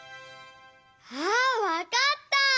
あわかった！